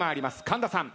神田さん